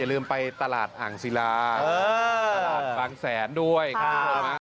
อย่าลืมไปตลาดอ่างศิลาตลาดบางแสนด้วยครับ